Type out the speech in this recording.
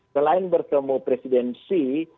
selain bertemu presiden xi